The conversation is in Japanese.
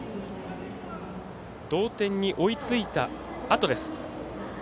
同点に追いついたあとです。